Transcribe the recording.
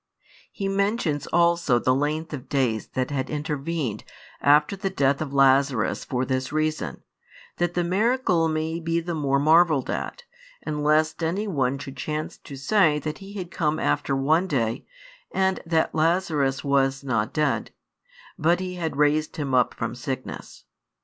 He mentions also the length of days that had intervened after the death of Lazarus for this reason, that the miracle |116 may be the more marvelled at, and lest any one should chance to say that He had come after one day, and that Lazarus was not dead, but He had raised him up from sickness.